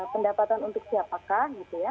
pendapatan untuk siapakah